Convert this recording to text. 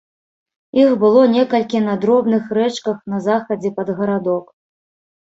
Іх было некалькі на дробных рэчках на захадзе пад гарадок.